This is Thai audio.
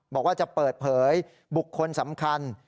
บอกว่าจะเปิดเผยบุคคลสำคัญ